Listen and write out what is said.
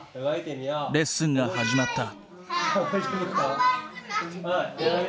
レッスンが始まった。